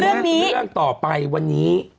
เรื่องเรื่องต่อไปวันนี้